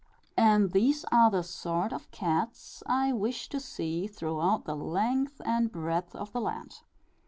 And these are the sort of cats I wish to see throughout the length and breadth of the land.